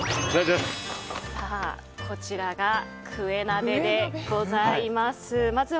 こちらがクエ鍋でございます。